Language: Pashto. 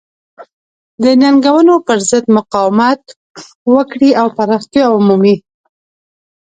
د ننګونو پرضد مقاومت وکړي او پراختیا ومومي.